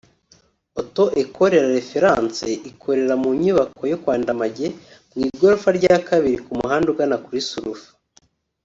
Auto Ecole Lareference ikorera mu nyubako yo kwa Ndamage mu igorofa rya kabiri ku muhanda ugana kuri Sulfo